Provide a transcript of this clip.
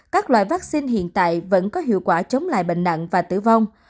các loại vaccine hiện tại vẫn có hiệu quả chống lại bệnh nặng và tử vong